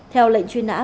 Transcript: theo lệnh truy nã